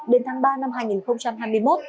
đến tháng ba năm hai nghìn hai mươi một